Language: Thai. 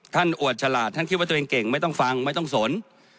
อวดฉลาดท่านคิดว่าตัวเองเก่งไม่ต้องฟังไม่ต้องสน